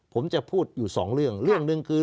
ผมจะพูดอยู่สองเรื่องเรื่องหนึ่งคือ